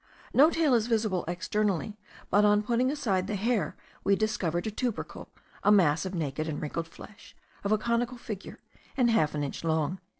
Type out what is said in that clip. No tail is visible externally; but on putting aside the hair we discover a tubercle, a mass of naked and wrinkled flesh, of a conical figure, and half an inch long.)